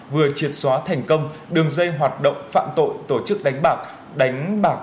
vừa triệt xóa thành công đường dây hoạt động phạm tội tổ chức đánh bạc